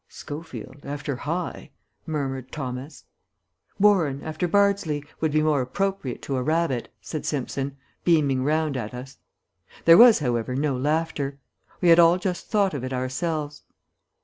"'Schofield,' after Haigh," murmured Thomas. "'Warren,' after Bardsley, would be more appropriate to a Rabbit," said Simpson, beaming round at us. There was, however, no laughter. We had all just thought of it ourselves.